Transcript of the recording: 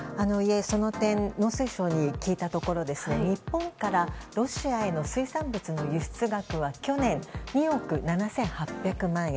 その点、農水省に聞いたところ日本からロシアへの水産物の輸出額は去年、２億７８００万円。